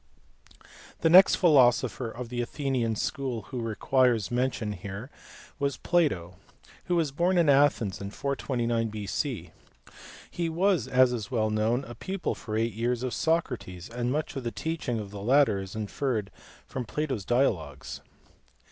The next philosopher of the Athenian school who requires mention here was Plato, who was born at Athens in 429 B.C. He was, as is well known, a pupil for eight yean of Socrates, and much of the teaching of the latter is inferred from Plato s dialogues.